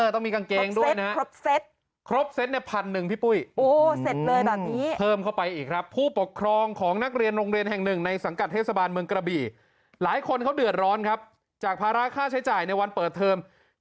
ต้องมีกางเกงด้วยนะครบเซต๑๐๐๐นิ้วพี่ปุ้ยเพิ่มเข้าไปอีกครับพื้นภาระค่าใช้จ่ายในวันเปิดเทิมเคยพอมขึ้น